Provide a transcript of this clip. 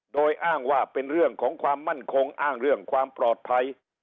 โดยอ้างว่าเป็นเรื่องของความมั่นคงอ้างเรื่องความปลอดภัย